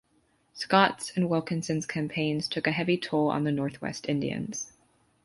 Scott's and Wilkinson's campaigns took a heavy toll on the Northwest Indians.